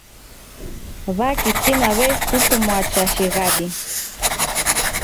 W'akitina w'esukumwa cha shighadi